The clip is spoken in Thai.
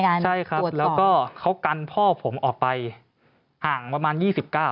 ใช่ครับแล้วก็เขากันพ่อผมออกไปห่างประมาณยี่สิบเก้า